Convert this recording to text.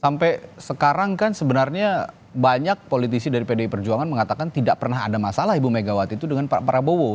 sampai sekarang kan sebenarnya banyak politisi dari pdi perjuangan mengatakan tidak pernah ada masalah ibu megawati itu dengan pak prabowo